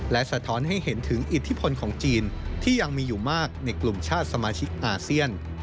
และสะท้อนให้เห็นถึงอิทธิพลของจีนที่ยังมีอยู่มากในกลุ่มชาติสมาชิกอาเซียน